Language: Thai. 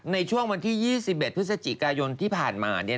ในช่วงวันที่๒๑พฤศจิกายนที่ผ่านมา